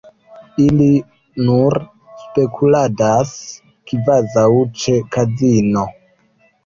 Ili nur spekuladas kvazaŭ ĉe kazino.